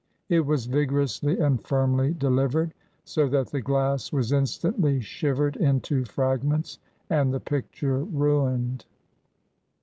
It was vigorously and firmly delivered, so that the glass was instantly shivered into fragments and the picture ruined.